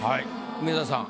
梅沢さん